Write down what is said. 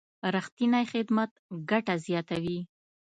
رښتینی خدمت ګټه زیاتوي.